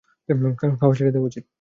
খাওয়া ছেড়ে দেওয়া উচিত।